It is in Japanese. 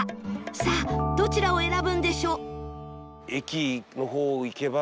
さあどちらを選ぶんでしょう？